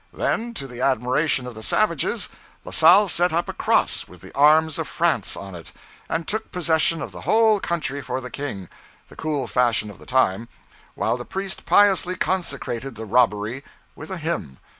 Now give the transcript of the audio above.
Then, to the admiration of the savages, La Salle set up a cross with the arms of France on it, and took possession of the whole country for the king the cool fashion of the time while the priest piously consecrated the robbery with a hymn.